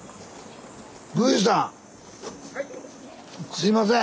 すいません！